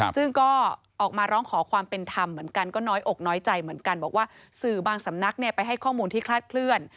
ซึ่งก็ออกมาร้องขอความเป็นธรรมเหมือนกันก็น้อยอกน้อยใจเหมือนกันบอกว่าสื่อบางสำนักไปให้ข้อมูลที่คลาดเคลื่อน